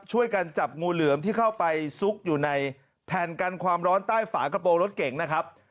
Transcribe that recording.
ช่วยกันจับงูเหลือมที่เข้าไปซุกอยู่ในแผ่นกันความร้อนใต้ฝากระโปรงรถเก่งนะครับ